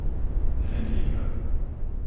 Hedviga